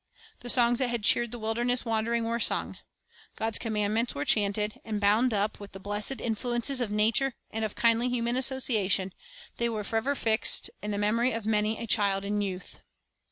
The songs that had cheered the wilderness wandering were sung. God's commandments were chanted, and, bound up with the blessed influences of nature and of kindly human association, they were for ever fixed in the memory of many a child and youth.